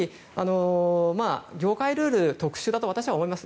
業界ルールが特殊だと私は思います。